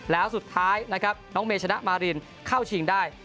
แล้วสุดท้ายนะครับน้องเมย์ชนะมารินเข้าชิงได้